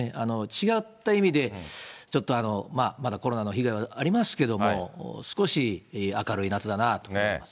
違った意味で、ちょっとまだコロナの被害はありますけれども、少し明るい夏だなと思います。